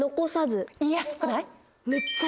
言いやすくない？